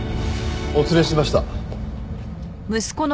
お連れしました。